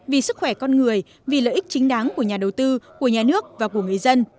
vì sức khỏe con người vì lợi ích chính đáng của nhà đầu tư của nhà nước và của người dân